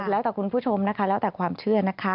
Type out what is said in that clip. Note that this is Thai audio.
แล้วแต่คุณผู้ชมนะคะแล้วแต่ความเชื่อนะคะ